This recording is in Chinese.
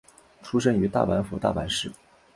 出身于大阪府大阪市。